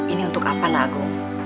ini untuk apa nago